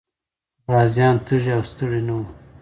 غازيان تږي او ستړي نه وو.